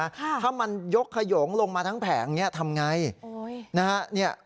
ค่ะถ้ามันยกขยงลงมาทั้งแผงเนี้ยทำไงโอ้ยนะฮะเนี้ย